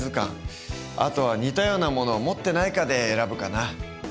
あとは似たようなものを持ってないかで選ぶかな。